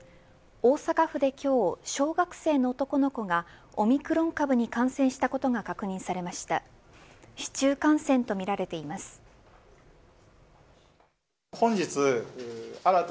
大阪府で今日小学生の男の子がオミクロン株に感染したことが確認されました。